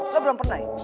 lo belum pernah ya